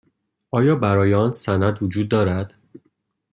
آیا برای آن سند وجود دارد؟